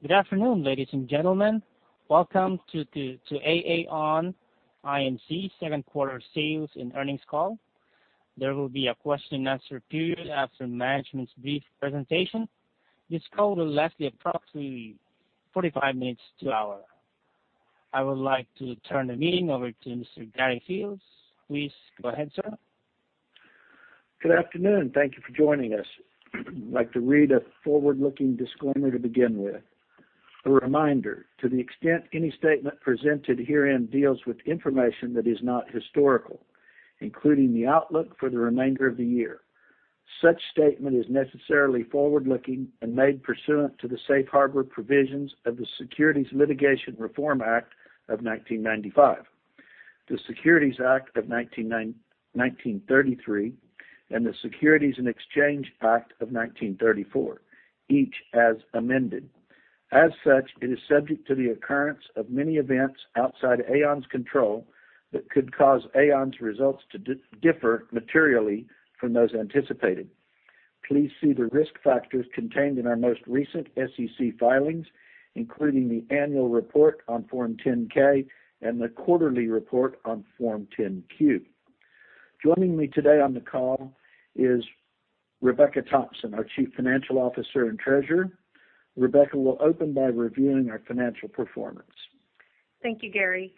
Good afternoon, ladies and gentlemen. Welcome to AAON, Inc. second quarter sales and earnings call. There will be a question and answer period after management's brief presentation. This call will last approximately 45 minutes to an hour. I would like to turn the meeting over to Mr. Gary Fields. Please go ahead, sir. Good afternoon. Thank you for joining us. I'd like to read a forward-looking disclaimer to begin with. A reminder, to the extent any statement presented herein deals with information that is not historical, including the outlook for the remainder of the year. Such statement is necessarily forward-looking and made pursuant to the safe harbor provisions of the Securities Litigation Reform Act of 1995, the Securities Act of 1933, and the Securities Exchange Act of 1934, each as amended. As such, it is subject to the occurrence of many events outside AAON's control that could cause AAON's results to differ materially from those anticipated. Please see the Risk Factors contained in our most recent SEC filings, including the annual report on Form 10-K and the quarterly report on Form 10-Q. Joining me today on the call is Rebecca Thompson, our Chief Financial Officer and Treasurer. Rebecca will open by reviewing our financial performance. Thank you, Gary.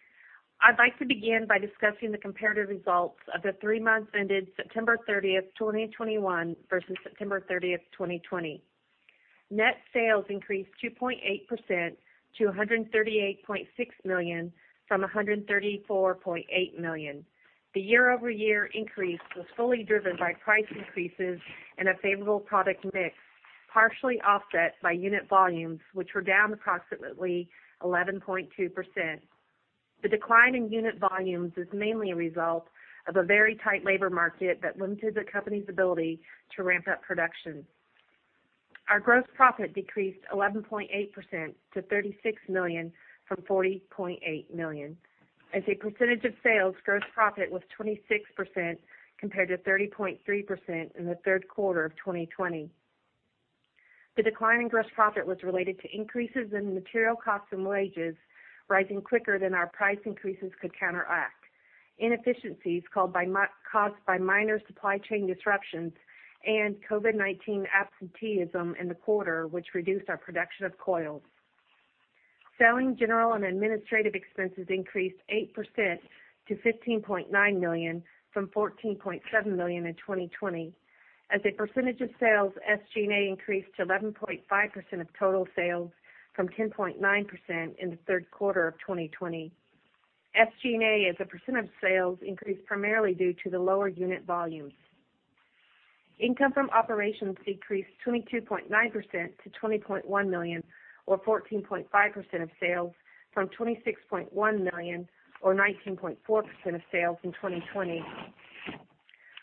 I'd like to begin by discussing the comparative results of the three months ended September 30th, 2021 versus September 30th, 2020. Net sales increased 2.8% to $138.6 million from $134.8 million. The year-over-year increase was fully driven by price increases and a favorable product mix, partially offset by unit volumes, which were down approximately 11.2%. The decline in unit volumes is mainly a result of a very tight labor market that limited the company's ability to ramp up production. Our gross profit decreased 11.8% to $36 million from $40.8 million. As a percentage of sales, gross profit was 26% compared to 30.3% in the third quarter of 2020. The decline in gross profit was related to increases in material costs and wages rising quicker than our price increases could counteract. Inefficiencies caused by minor supply chain disruptions and COVID-19 absenteeism in the quarter, which reduced our production of coils. Selling, general, and administrative expenses increased 8% to $15.9 million from $14.7 million in 2020. As a percentage of sales, SG&A increased to 11.5% of total sales from 10.9% in the third quarter of 2020. SG&A, as a percent of sales, increased primarily due to the lower unit volumes. Income from operations decreased 22.9% to $20.1 million or 14.5% of sales from $26.1 million or 19.4% of sales in 2020.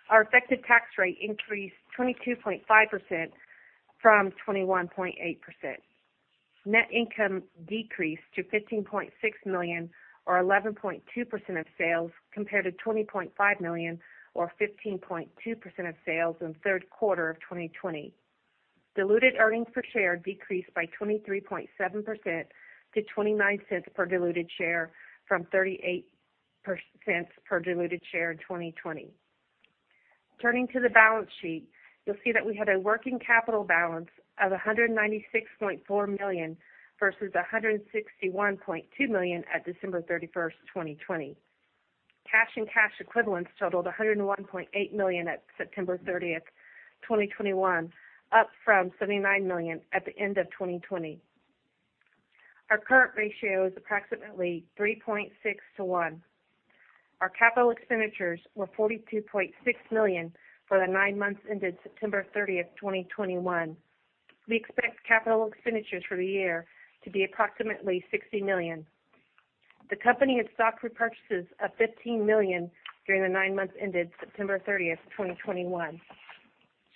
Our effective tax rate increased 22.5% from 21.8%. Net income decreased to $15.6 million or 11.2% of sales compared to $20.5 million or 15.2% of sales in the third quarter of 2020. Diluted earnings per share decreased by 23.7% to $0.29 per diluted share from $0.38 per diluted share in 2020. Turning to the balance sheet, you'll see that we had a working capital balance of $196.4 million versus $161.2 million at December 31st, 2020. Cash and cash equivalents totaled $101.8 million at September 30th, 2021, up from $79 million at the end of 2020. Our current ratio is approximately 3.6 to one. Our capital expenditures were $42.6 million for the nine months ended September 30th, 2021. We expect capital expenditures for the year to be approximately $60 million. The company had stock repurchases of $15 million during the nine months ended September 30th, 2021.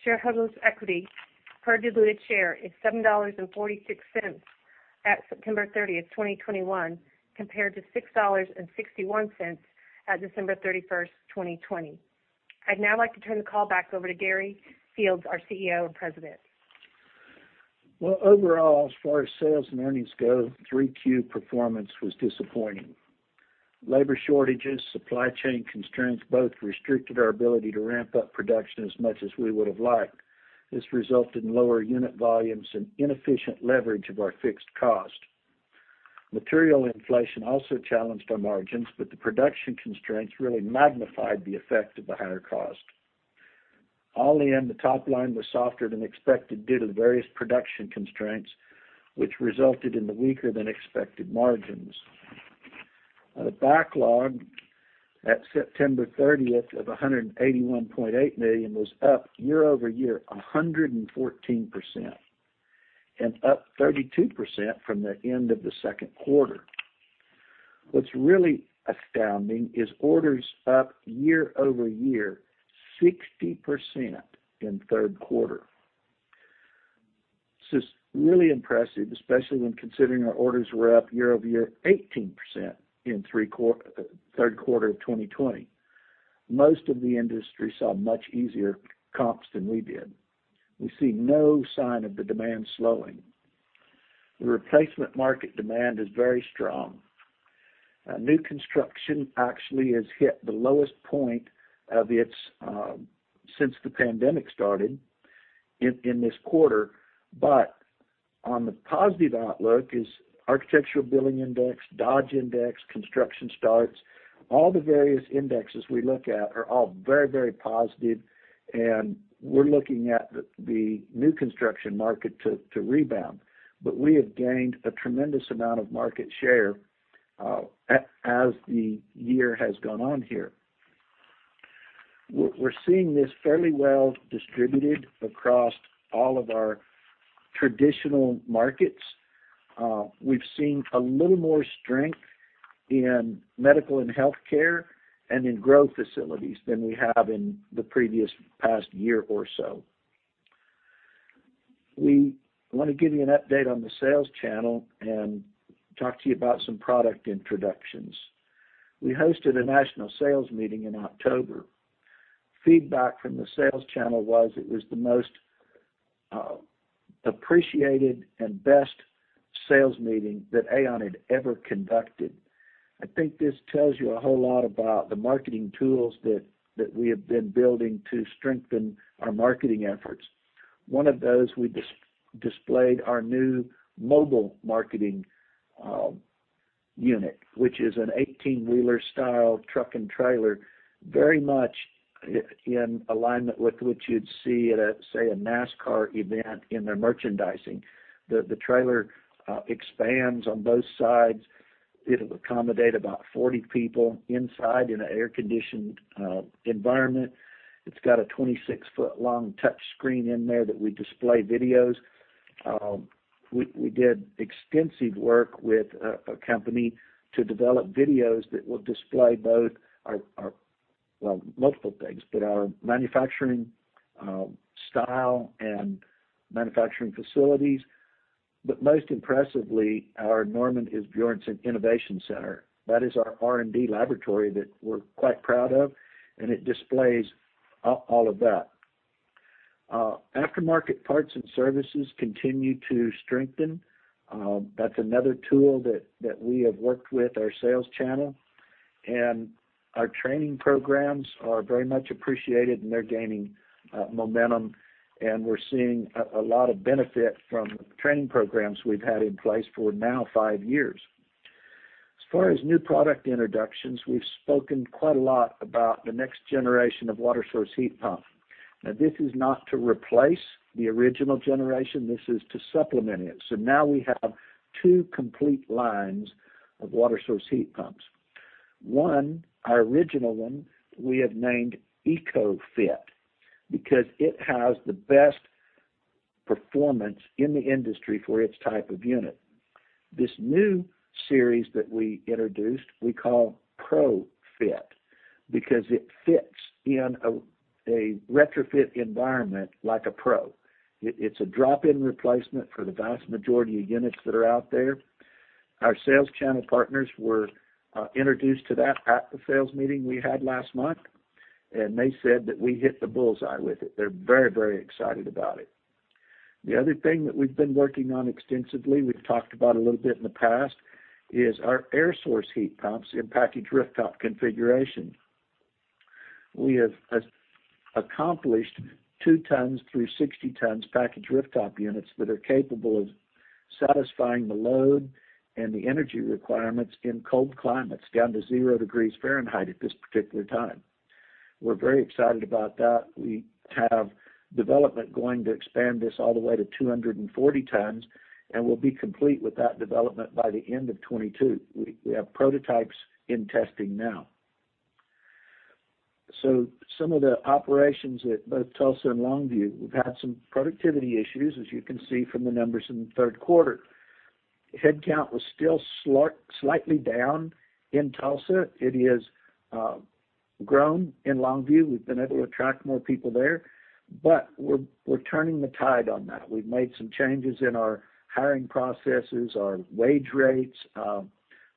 Shareholders' equity per diluted share is $7.46 at September 30th, 2021, compared to $6.61 at December 31st, 2020. I'd now like to turn the call back over to Gary Fields, our CEO and President. Well, overall, as far as sales and earnings go, Q3 performance was disappointing. Labor shortages, supply chain constraints, both restricted our ability to ramp up production as much as we would have liked. This resulted in lower unit volumes and inefficient leverage of our fixed cost. Material inflation also challenged our margins, but the production constraints really magnified the effect of the higher cost. All in, the top line was softer than expected due to the various production constraints, which resulted in the weaker than expected margins. The backlog at September 30th of $181.8 million was up year-over-year 114%, and up 32% from the end of the second quarter. What's really astounding is orders up year-over-year 60% in the third quarter. This is really impressive, especially when considering our orders were up year-over-year 18% in third quarter of 2020. Most of the industry saw much easier comps than we did. We see no sign of the demand slowing. The replacement market demand is very strong. New construction actually has hit the lowest point of its since the pandemic started in this quarter, but the positive outlook is the Architecture Billings Index, Dodge Momentum Index, construction starts, all the various indexes we look at are all very, very positive, and we're looking at the new construction market to rebound. We have gained a tremendous amount of market share as the year has gone on here. We're seeing this fairly well distributed across all of our traditional markets. We've seen a little more strength in medical and healthcare and in growth facilities than we have in the previous past year or so. We wanna give you an update on the sales channel and talk to you about some product introductions. We hosted a national sales meeting in October. Feedback from the sales channel was it was the most appreciated and best sales meeting that AAON had ever conducted. I think this tells you a whole lot about the marketing tools that we have been building to strengthen our marketing efforts. One of those, we displayed our new mobile marketing unit, which is an 18 wheeler style truck and trailer, very much in alignment with what you'd see at a, say, a NASCAR event in their merchandising. The trailer expands on both sides. It'll accommodate about 40 people inside in an air-conditioned environment. It's got a 26 ft long touch screen in there that we display videos. We did extensive work with a company to develop videos that will display both our well, multiple things, but our manufacturing style and manufacturing facilities. Most impressively, our Norman Asbjornson Innovation Center. That is our R&D laboratory that we're quite proud of, and it displays all of that. Aftermarket parts and services continue to strengthen. That's another tool that we have worked with our sales channel. Our training programs are very much appreciated, and they're gaining momentum, and we're seeing a lot of benefit from training programs we've had in place for now five years. As far as new product introductions, we've spoken quite a lot about the next generation of Water-Source Heat Pump. Now, this is not to replace the original generation. This is to supplement it. Now we have two complete lines of water source heat pumps. One, our original one, we have named EcoFit because it has the best performance in the industry for its type of unit. This new series that we introduced, we call ProFit because it fits in a retrofit environment like a pro. It's a drop-in replacement for the vast majority of units that are out there. Our sales channel partners were introduced to that at the sales meeting we had last month, and they said that we hit the bullseye with it. They're very, very excited about it. The other thing that we've been working on extensively, we've talked about a little bit in the past, is our air-source heat pumps in packaged rooftop configuration. We have accomplished two ton through 60 ton packaged rooftop units that are capable of satisfying the load and the energy requirements in cold climates, down to zero degrees Fahrenheit at this particular time. We're very excited about that. We have development going to expand this all the way to 240 tons, and we'll be complete with that development by the end of 2022. We have prototypes in testing now. Some of the operations at both Tulsa and Longview, we've had some productivity issues, as you can see from the numbers in the third quarter. Headcount was still slightly down in Tulsa. It has grown in Longview. We've been able to attract more people there. We're turning the tide on that. We've made some changes in our hiring processes, our wage rates.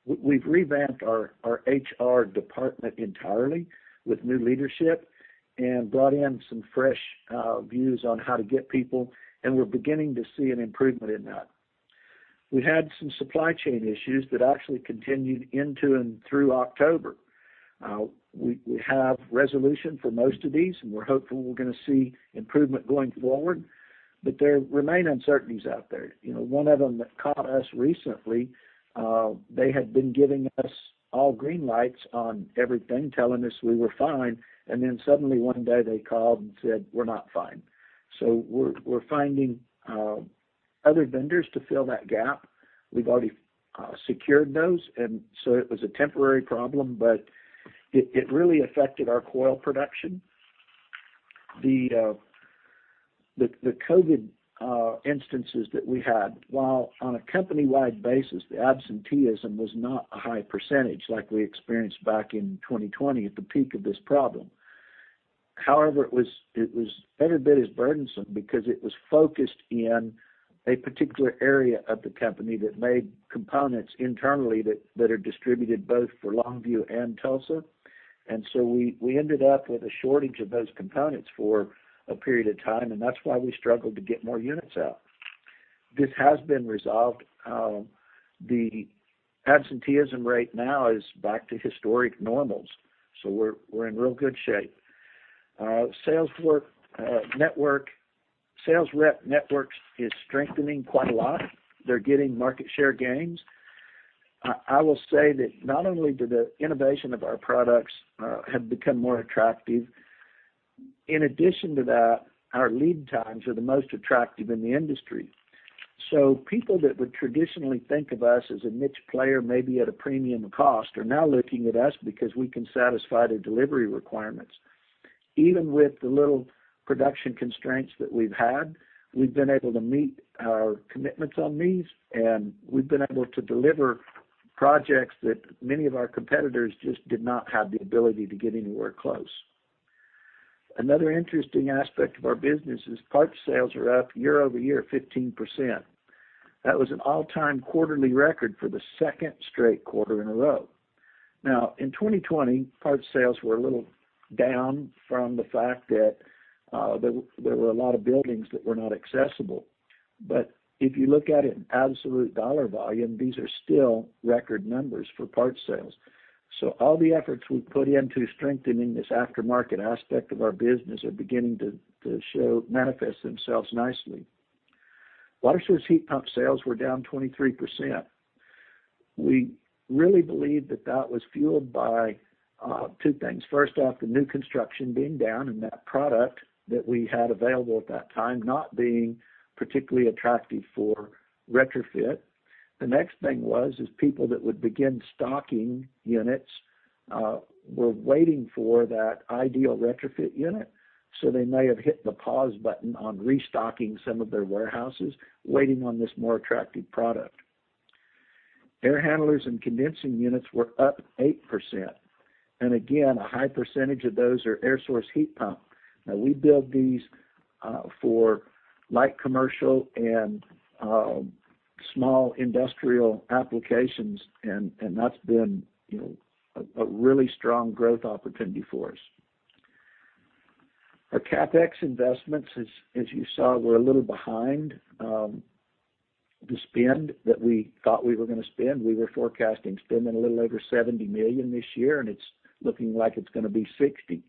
We've revamped our HR department entirely with new leadership and brought in some fresh views on how to get people, and we're beginning to see an improvement in that. We had some supply chain issues that actually continued into and through October. We have resolution for most of these, and we're hopeful we're gonna see improvement going forward. There remain uncertainties out there. You know, one of them that caught us recently, they had been giving us all green lights on everything, telling us we were fine, and then suddenly one day they called and said, We're not fine. We're finding other vendors to fill that gap. We've already secured those. It was a temporary problem, but it really affected our coil production. The COVID instances that we had, while on a company-wide basis, the absenteeism was not a high percentage like we experienced back in 2020 at the peak of this problem. However, it was every bit as burdensome because it was focused in a particular area of the company that made components internally that are distributed both for Longview and Tulsa. We ended up with a shortage of those components for a period of time, and that's why we struggled to get more units out. This has been resolved. The absenteeism rate now is back to historic normals. We're in real good shape. Sales rep networks is strengthening quite a lot. They're getting market share gains. I will say that not only do the innovation of our products have become more attractive. In addition to that, our lead times are the most attractive in the industry. People that would traditionally think of us as a niche player, maybe at a premium cost, are now looking at us because we can satisfy their delivery requirements. Even with the little production constraints that we've had, we've been able to meet our commitments on these, and we've been able to deliver projects that many of our competitors just did not have the ability to get anywhere close. Another interesting aspect of our business is parts sales are up year-over-year 15%. That was an all-time quarterly record for the second straight quarter in a row. Now, in 2020, parts sales were a little down from the fact that there were a lot of buildings that were not accessible. If you look at it in absolute dollar volume, these are still record numbers for parts sales. All the efforts we've put into strengthening this aftermarket aspect of our business are beginning to manifest themselves nicely. Water-Source Heat Pump sales were down 23%. We really believe that that was fueled by two things. First off, the new construction being down and that product that we had available at that time not being particularly attractive for retrofit. The next thing is people that would begin stocking units were waiting for that ideal retrofit unit, so they may have hit the pause button on restocking some of their warehouses, waiting on this more attractive product. Air handlers and condensing units were up 8%. Again, a high percentage of those are air-source heat pump. Now we build these for light commercial and small industrial applications and that's been, you know, a really strong growth opportunity for us. Our CapEx investments, as you saw, were a little behind the spend that we thought we were gonna spend. We were forecasting spending a little over $70 million this year, and it's looking like it's gonna be $60 million.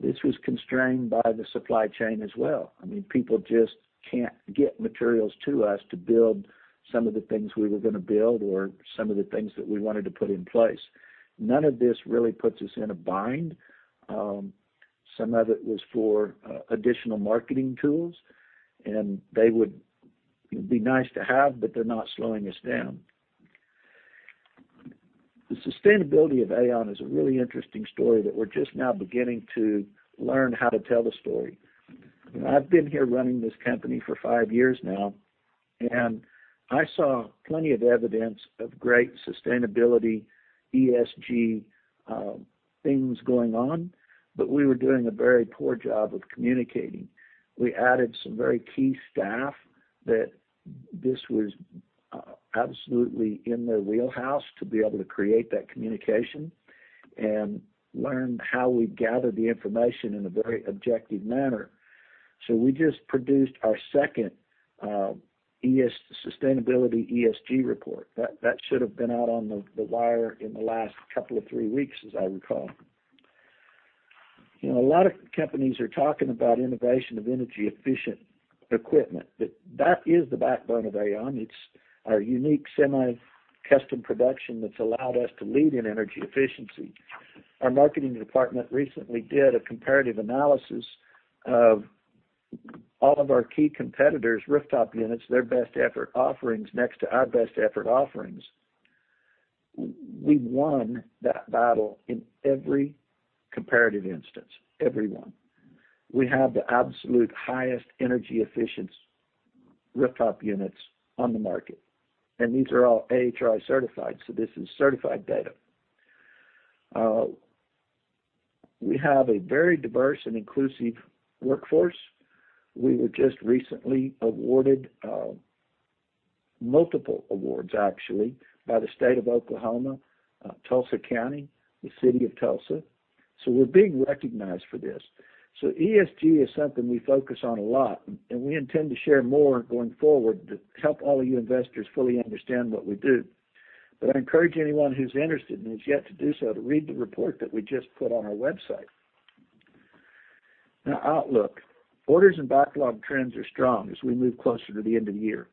This was constrained by the supply chain as well. I mean, people just can't get materials to us to build some of the things we were gonna build or some of the things that we wanted to put in place. None of this really puts us in a bind. Some of it was for additional marketing tools, and they would be nice to have, but they're not slowing us down. The sustainability of AAON is a really interesting story that we're just now beginning to learn how to tell the story. I've been here running this company for five years now, and I saw plenty of evidence of great sustainability, ESG, things going on, but we were doing a very poor job of communicating. We added some very key staff that this was absolutely in their wheelhouse to be able to create that communication and learn how we gather the information in a very objective manner. We just produced our second sustainability ESG report. That should have been out on the wire in the last couple of three weeks, as I recall. You know, a lot of companies are talking about innovation of energy-efficient equipment, but that is the backbone of AAON. It's our unique semi-custom production that's allowed us to lead in energy efficiency. Our marketing department recently did a comparative analysis of all of our key competitors' rooftop units, their best effort offerings next to our best effort offerings. We won that battle in every comparative instance. Every one. We have the absolute highest energy-efficient rooftop units on the market. These are all AHRI certified, so this is certified data. We have a very diverse and inclusive workforce. We were just recently awarded multiple awards, actually, by the state of Oklahoma, Tulsa County, the city of Tulsa. We're being recognized for this. ESG is something we focus on a lot, and we intend to share more going forward to help all of you investors fully understand what we do. I'd encourage anyone who's interested and has yet to do so to read the report that we just put on our website. Now, outlook. Orders and backlog trends are strong as we move closer to the end of the year.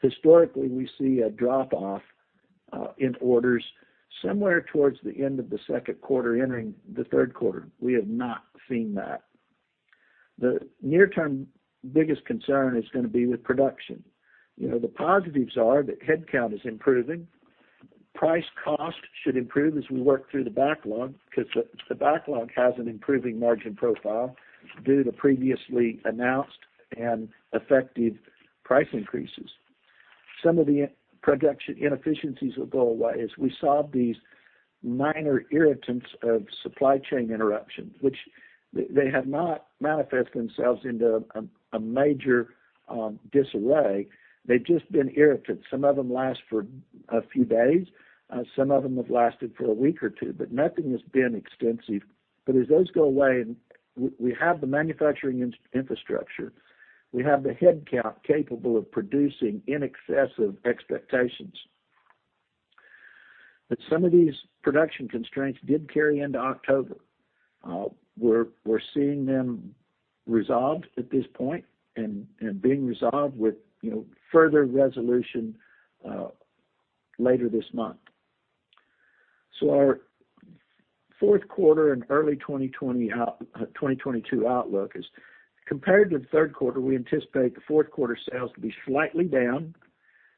Historically, we see a drop-off in orders somewhere towards the end of the second quarter entering the third quarter. We have not seen that. The near-term biggest concern is gonna be with production. You know, the positives are that headcount is improving. Price cost should improve as we work through the backlog 'cause the backlog has an improving margin profile due to previously announced and effective price increases. Some of the production inefficiencies will go away as we solve these minor irritants of supply chain interruptions, which have not manifested themselves into a major disarray. They've just been irritants. Some of them last for a few days, some of them have lasted for a week or two, but nothing has been extensive. As those go away and we have the manufacturing infrastructure, we have the headcount capable of producing in excess of expectations. Some of these production constraints did carry into October. We're seeing them resolved at this point and being resolved with, you know, further resolution later this month. Our fourth quarter and early 2022 outlook is, compared to the third quarter, we anticipate the fourth quarter sales to be slightly down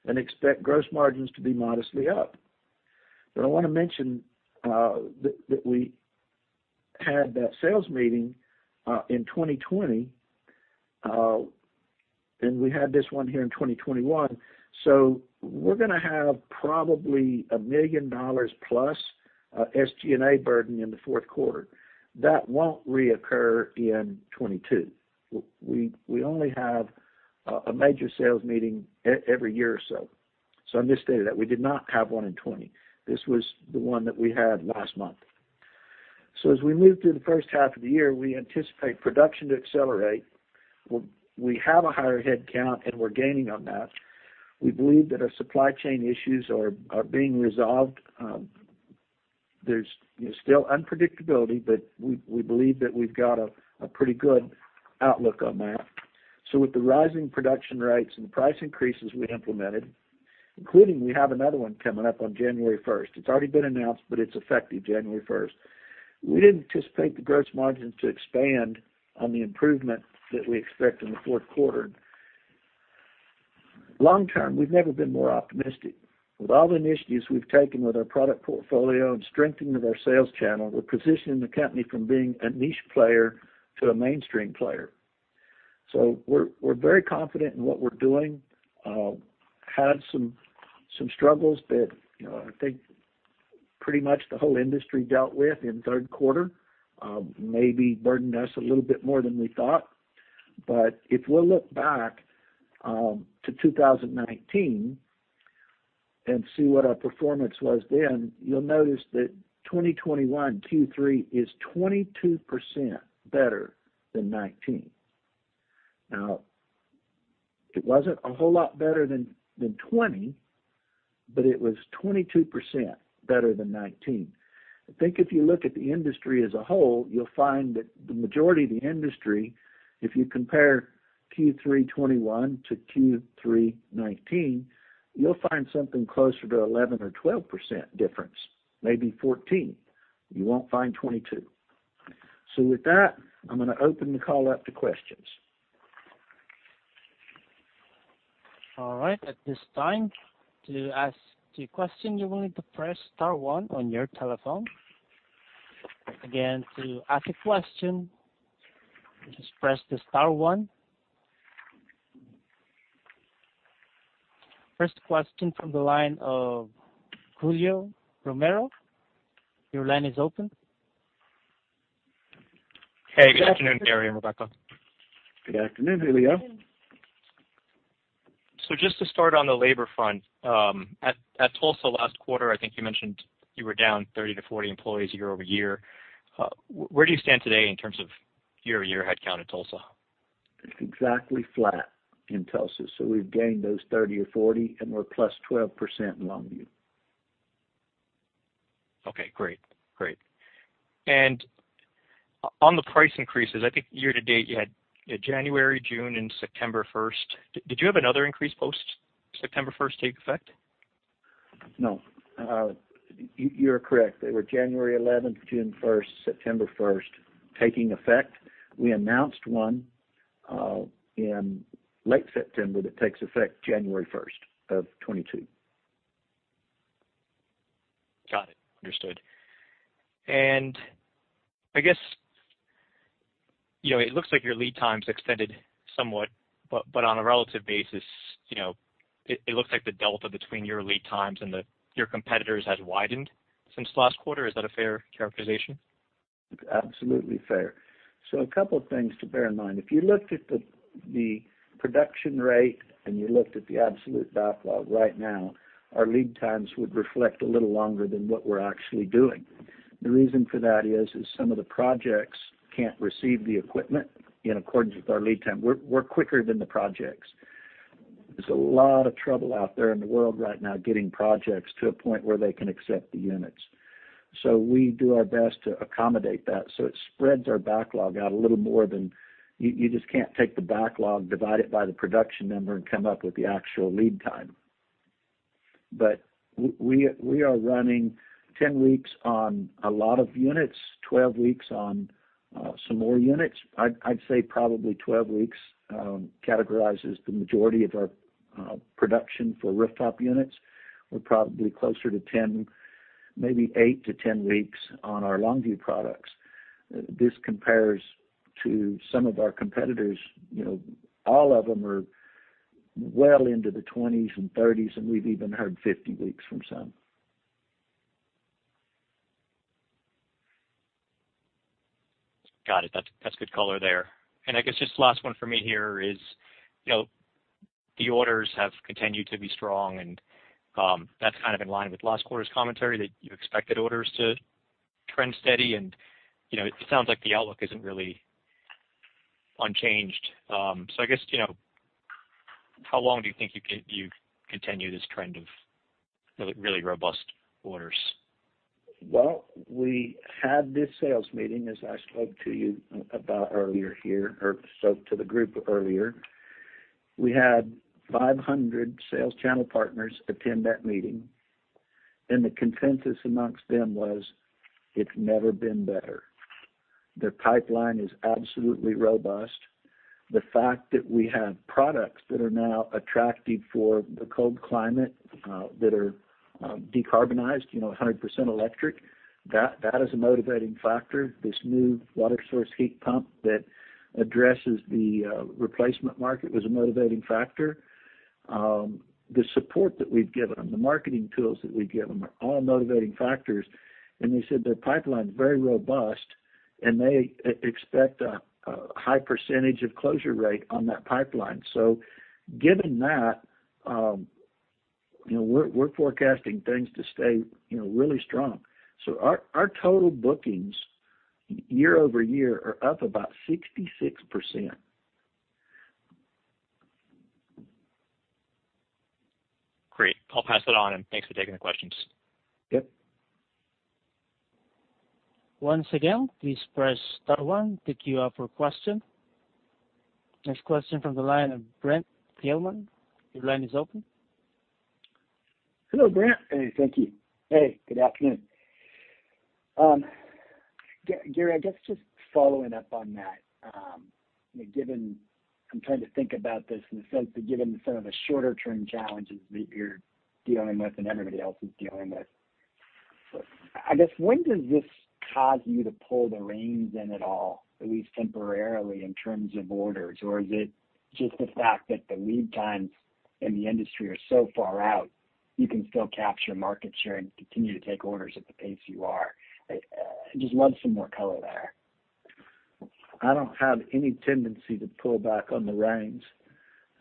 and expect gross margins to be modestly up. I wanna mention that we had that sales meeting in 2020 and we had this one here in 2021. We're gonna have probably $1 million+ SG&A burden in the fourth quarter. That won't reoccur in 2022. We only have a major sales meeting every year or so. I misstated that. We did not have one in 2020. This was the one that we had last month. As we move through the first half of the year, we anticipate production to accelerate. We have a higher headcount, and we're gaining on that. We believe that our supply chain issues are being resolved. There's, you know, still unpredictability, but we believe that we've got a pretty good outlook on that. With the rising production rates and the price increases we implemented, including we have another one coming up on January 1st, it's already been announced, but it's effective January 1st, we didn't anticipate the gross margins to expand on the improvement that we expect in the fourth quarter. Long-term, we've never been more optimistic. With all the initiatives we've taken with our product portfolio and strengthening of our sales channel, we're positioning the company from being a niche player to a mainstream player. We're very confident in what we're doing. Had some struggles that, you know, I think pretty much the whole industry dealt with in third quarter, maybe burdened us a little bit more than we thought. If we look back to 2019 and see what our performance was then, you'll notice that 2021 Q3 is 22% better than 2019. Now, it wasn't a whole lot better than 2020, but it was 22% better than 2019. I think if you look at the industry as a whole, you'll find that the majority of the industry, if you compare Q3 2021 to Q3 2019, you'll find something closer to 11% or 12% difference, maybe 14%. You won't find 22%. With that, I'm gonna open the call up to questions. All right. At this time, to ask a question, you will need to press star one on your telephone. Again, to ask a question, just press the star one. First question from the line of Julio Romero, your line is open. Hey, good afternoon, Gary and Rebecca. Good afternoon, Julio. Just to start on the labor front, at Tulsa last quarter, I think you mentioned you were down 30-40 employees year-over-year. Where do you stand today in terms of year-over-year headcount at Tulsa? It's exactly flat in Tulsa. We've gained those 30 or 40, and we're +12% in Longview. Okay, great. On the price increases, I think year-to-date you had January, June, and September 1st. Did you have another increase post-September 1st take effect? No, you're correct. They were January 11th, June 1st, September 1st taking effect. We announced one in late September that takes effect January 1st of 2022. Got it. Understood. I guess, you know, it looks like your lead times extended somewhat, but on a relative basis, you know, it looks like the delta between your lead times and your competitors has widened since last quarter. Is that a fair characterization? Absolutely fair. A couple things to bear in mind. If you looked at the production rate, and you looked at the absolute backlog right now, our lead times would reflect a little longer than what we're actually doing. The reason for that is some of the projects can't receive the equipment in accordance with our lead time. We're quicker than the projects. There's a lot of trouble out there in the world right now getting projects to a point where they can accept the units. We do our best to accommodate that, so it spreads our backlog out a little more. You just can't take the backlog, divide it by the production number, and come up with the actual lead time. We are running 10 weeks on a lot of units, 12 weeks on some more units. I'd say probably 12 weeks categorizes the majority of our production for rooftop units. We're probably closer to 10, maybe eight to 10 weeks on our Longview products. This compares to some of our competitors, you know, all of them are well into the 20s and 30s, and we've even heard 50 weeks from some. Got it. That's good color there. I guess just last one for me here is, you know, the orders have continued to be strong, and that's kind of in line with last quarter's commentary that you expected orders to trend steady. You know, it sounds like the outlook isn't really unchanged. I guess, you know, how long do you think you continue this trend of really robust orders? Well, we had this sales meeting, as I spoke to you about earlier here, or spoke to the group earlier. We had 500 sales channel partners attend that meeting, and the consensus among them was it's never been better. The pipeline is absolutely robust. The fact that we have products that are now attractive for the cold climate, that are decarbonized, you know, 100% electric, that is a motivating factor. This new Water-Source Heat Pump that addresses the replacement market was a motivating factor. The support that we've given them, the marketing tools that we've given them are all motivating factors. They said their pipeline's very robust, and they expect a high percentage of closure rate on that pipeline. Given that, you know, we're forecasting things to stay, you know, really strong. Our total bookings year-over-year are up about 66%. Great. I'll pass it on, and thanks for taking the questions. Yep. Once again, please press star one to queue up for question. Next question from the line of Brent Thielman. Your line is open. Hello, Brent. Hey. Thank you. Hey, good afternoon. Gary, I guess just following up on that, given I'm trying to think about this and given some of the shorter term challenges that you're dealing with and everybody else is dealing with. I guess when does this cause you to pull the reins in at all, at least temporarily, in terms of orders? Or is it just the fact that the lead times in the industry are so far out, you can still capture market share and continue to take orders at the pace you are? I'd just love some more color there. I don't have any tendency to pull back on the reins.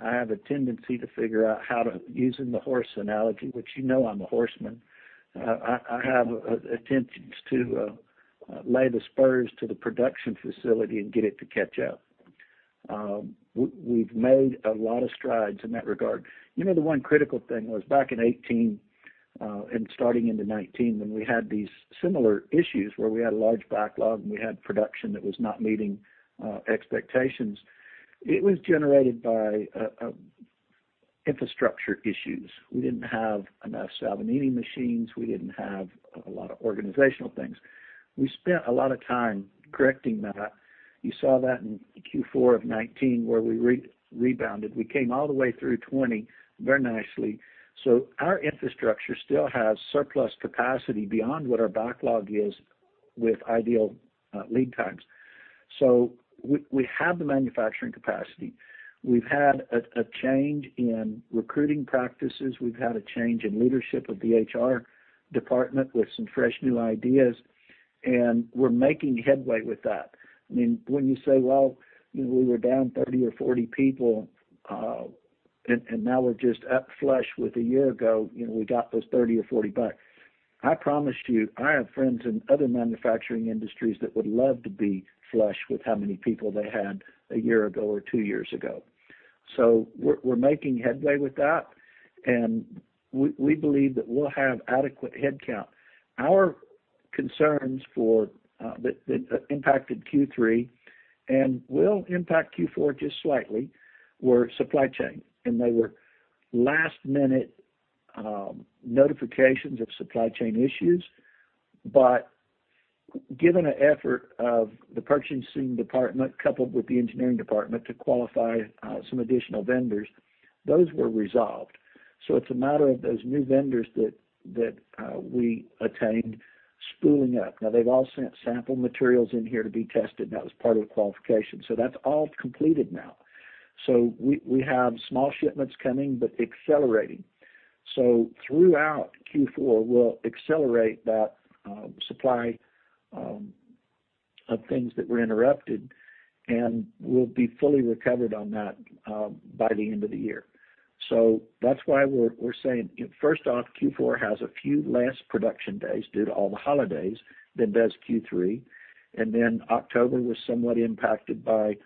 I have a tendency to figure out how to, using the horse analogy, which you know I'm a horseman, I have a tendency to lay the spurs to the production facility and get it to catch up. We've made a lot of strides in that regard. You know, the one critical thing was back in 2018 and starting into 2019, when we had these similar issues where we had a large backlog and we had production that was not meeting expectations, it was generated by infrastructure issues. We didn't have enough Salvagnini machines. We didn't have a lot of organizational things. We spent a lot of time correcting that. You saw that in Q4 of 2019 where we rebounded. We came all the way through 2020 very nicely. Our infrastructure still has surplus capacity beyond what our backlog is with ideal lead times. We have the manufacturing capacity. We've had a change in recruiting practices. We've had a change in leadership of the HR department with some fresh new ideas, and we're making headway with that. I mean, when you say, well, you know, we were down 30 or 40 people, and now we're just up flush with a year ago, you know, we got those 30 or 40 back. I promise you, I have friends in other manufacturing industries that would love to be flush with how many people they had a year ago or two years ago. We're making headway with that, and we believe that we'll have adequate headcount. Our concerns for that impacted Q3 and will impact Q4 just slightly were supply chain, and they were last minute notifications of supply chain issues. Given the effort of the purchasing department coupled with the engineering department to qualify some additional vendors, those were resolved. It's a matter of those new vendors we attained spooling up. Now they've all sent sample materials in here to be tested. That was part of the qualification. That's all completed now. We have small shipments coming, but accelerating. Throughout Q4, we'll accelerate that supply of things that were interrupted, and we'll be fully recovered on that by the end of the year. That's why we're saying, you know, first off, Q4 has a few less production days due to all the holidays than does Q3. October was somewhat impacted by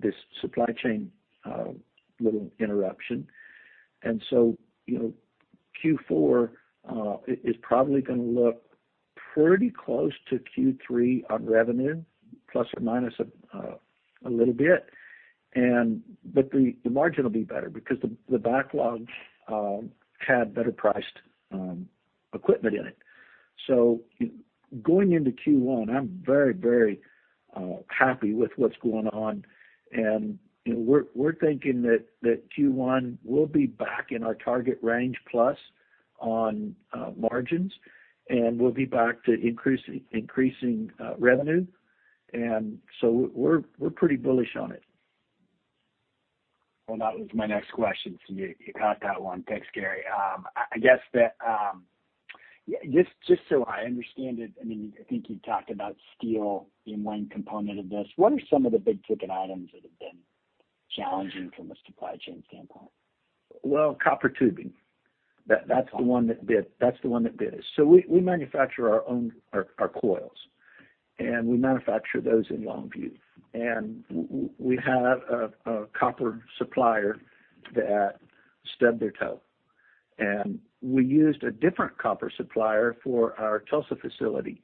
this supply chain little interruption. You know, Q4 is probably gonna look pretty close to Q3 on revenue, plus or minus a little bit. But the margin will be better because the backlog had better priced equipment in it. Going into Q1, I'm very happy with what's going on. You know, we're thinking that Q1 will be back in our target range plus on margins, and we'll be back to increasing revenue. We're pretty bullish on it. Well, that was my next question, so you got that one. Thanks, Gary. I guess that, yeah, just so I understand it, I mean, I think you talked about steel being one component of this. What are some of the big-ticket items that have been challenging from a supply chain standpoint? Well, copper tubing. That's the one that bit us. We manufacture our own coils, and we manufacture those in Longview. We have a copper supplier that stubbed their toe. We used a different copper supplier for our Tulsa facility.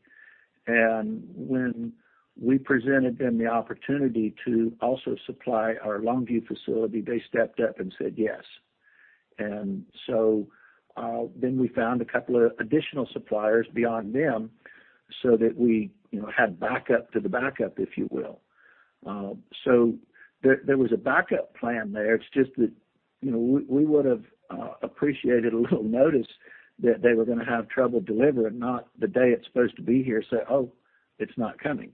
When we presented them the opportunity to also supply our Longview facility, they stepped up and said yes. We found a couple of additional suppliers beyond them so that we, you know, had backup to the backup, if you will. There was a backup plan there. It's just that, you know, we would've appreciated a little notice that they were gonna have trouble delivering, not the day it's supposed to be here, say, Oh, it's not coming.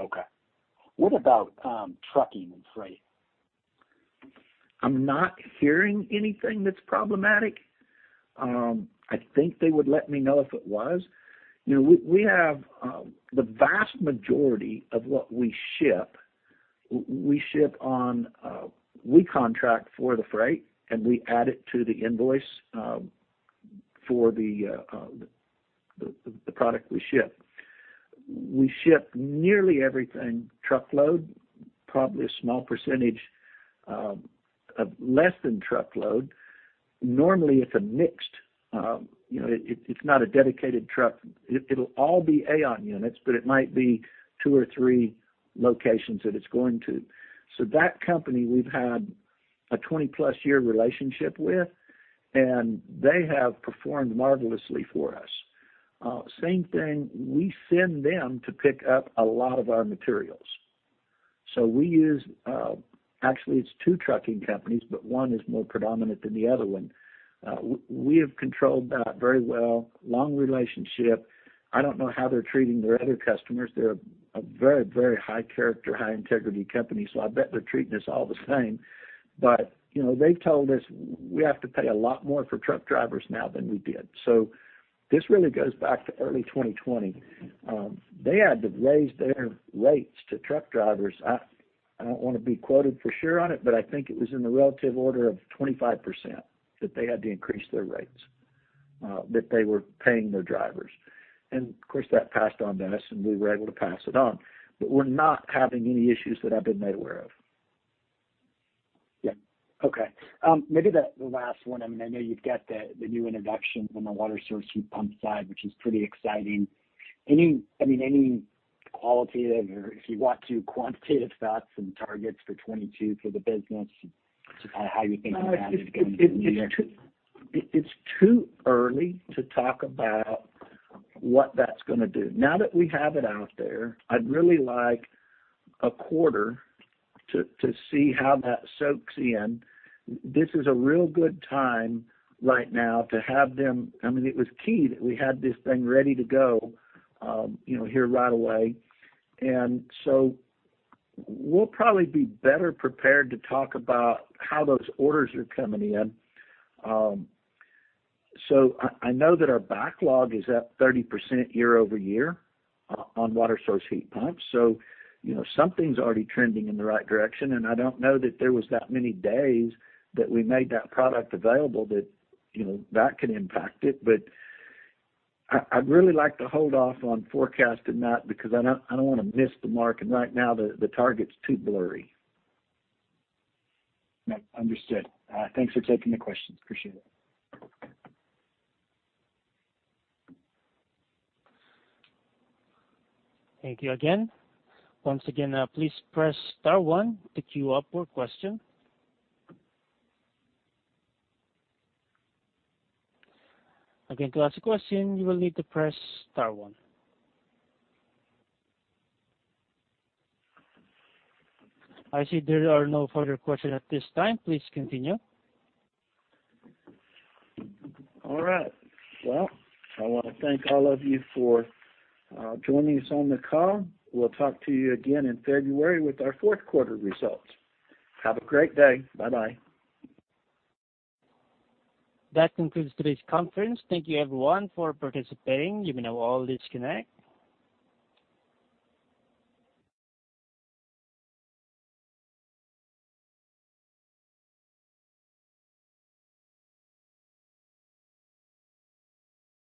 Okay. What about trucking and freight? I'm not hearing anything that's problematic. I think they would let me know if it was. You know, we have the vast majority of what we ship, we ship on, we contract for the freight, and we add it to the invoice, for the product we ship. We ship nearly everything truckload, probably a small percentage of less than truckload. Normally, it's a mixed, you know, it's not a dedicated truck. It'll all be AAON units, but it might be two or three locations that it's going to. That company we've had a 20+ year relationship with, and they have performed marvelously for us. Same thing, we send them to pick up a lot of our materials. We use, actually it's two trucking companies, but one is more predominant than the other one. We have controlled that very well, long relationship. I don't know how they're treating their other customers. They're a very, very high character, high integrity company, so I bet they're treating us all the same. You know, they've told us we have to pay a lot more for truck drivers now than we did. This really goes back to early 2020. They had to raise their rates to truck drivers. I don't wanna be quoted for sure on it, but I think it was in the relative order of 25% that they had to increase their rates that they were paying their drivers. Of course, that passed on to us, and we were able to pass it on. We're not having any issues that I've been made aware of. Yeah. Okay. Maybe the last one, I mean, I know you've got the new introduction on the water source heat pump side, which is pretty exciting. I mean, any qualitative or, if you want to, quantitative thoughts and targets for 2022 for the business? Just kinda how you think of that going into the new year. It's too early to talk about what that's gonna do. Now that we have it out there, I'd really like a quarter to see how that soaks in. This is a real good time right now to have them. I mean, it was key that we had this thing ready to go, you know, here right away. We'll probably be better prepared to talk about how those orders are coming in. I know that our backlog is up 30% year-over-year on Water-Source Heat Pumps, so you know, something's already trending in the right direction. I don't know that there was that many days that we made that product available that, you know, that could impact it. I'd really like to hold off on forecasting that because I don't wanna miss the mark, and right now the target's too blurry. Understood. Thanks for taking the questions. Appreciate it. Thank you again. Once again, please press star one to queue up for a question. Again, to ask a question, you will need to press star one. I see there are no further question at this time. Please continue. All right. Well, I wanna thank all of you for joining us on the call. We'll talk to you again in February with our fourth quarter results. Have a great day. Bye-bye. That concludes today's conference. Thank you, everyone, for participating. You may now all disconnect.